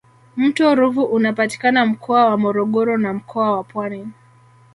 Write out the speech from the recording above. mto ruvu unapatikana mkoa wa morogoro na mkoa wa pwani